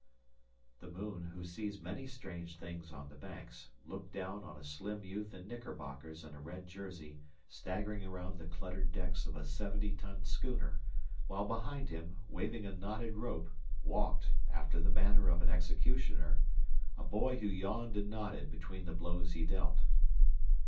The moon, who sees many strange things on the Banks, looked down on a slim youth in knickerbockers and a red jersey, staggering around the cluttered decks of a seventy ton schooner, while behind him, waving a knotted rope, walked, after the manner of an executioner, a boy who yawned and nodded between the blows he dealt.